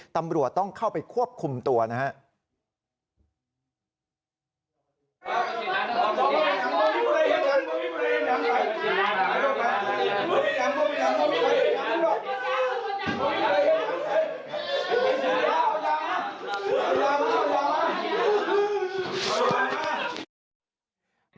ตำรวจต้องเข้าไปควบคุมตัวนะครับ